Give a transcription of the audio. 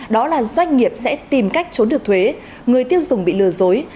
đó là doanh nghiệp sẽ tìm cách trốn được thuế người tiêu dùng bị lừa dối